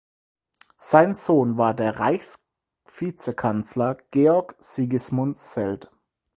Sein Sohn war der Reichsvizekanzler Georg Sigismund Seld.